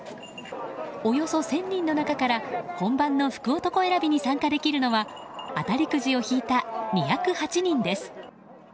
およそ１０００人の中から本番の福男選びに参加できるのは当たりくじを引いた２０８人です。